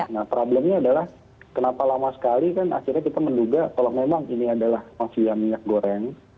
nah problemnya adalah kenapa lama sekali kan akhirnya kita menduga kalau memang ini adalah mafia minyak goreng